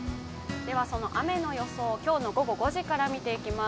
雨の予想、今日の午後５時から見ていきます。